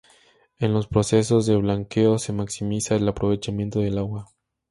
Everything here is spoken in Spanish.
En los procesos de blanqueo se maximiza el aprovechamiento del agua.